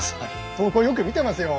投稿よく見てますよ！